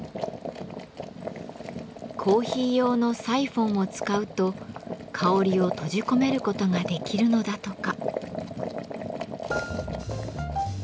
コーヒー用のサイフォンを使うと香りを閉じ込めることができるのだとか。